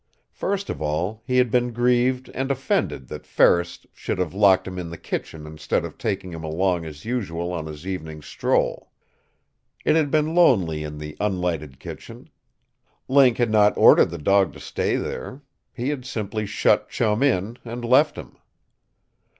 First of all, he had been grieved and offended that Ferris should have locked him in the kitchen instead of taking him along as usual on his evening stroll. It had been lonely in the unlighted kitchen. Link had not ordered the dog to stay there. He had simply shut Chum in and left him.